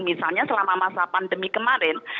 misalnya selama masa pandemi kemarin